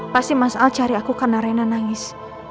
pasti mas al cari aku karena rena nangis